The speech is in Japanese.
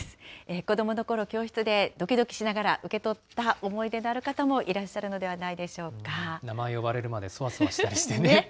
子どものころ、教室でどきどきしながら受け取った思い出のある方もいらっしゃる名前呼ばれるまでそわそわしてましたよね。